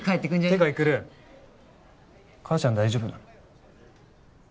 ってか育母ちゃん大丈夫なの？